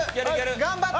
頑張って！